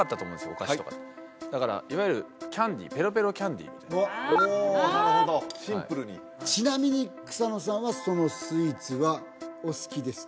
お菓子とかだからいわゆるキャンディーペロペロキャンディーみたいなああおおなるほどシンプルにちなみに草野さんはそのスイーツはお好きですか？